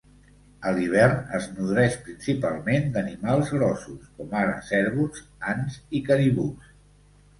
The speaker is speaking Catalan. A l'hivern es nodreix principalment d'animals grossos, com ara cérvols, ants i caribús.